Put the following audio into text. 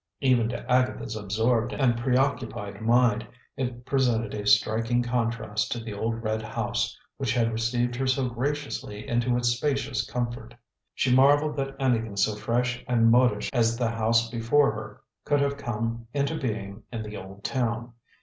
Even to Agatha's absorbed and preoccupied mind it presented a striking contrast to the old red house, which had received her so graciously into its spacious comfort. She marveled that anything so fresh and modish as the house before her could have come into being in the old town.